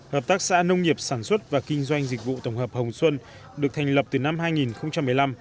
hợp tác xã nông nghiệp sản xuất và kinh doanh dịch vụ tổng hợp hồng xuân được thành lập từ năm hai nghìn một mươi năm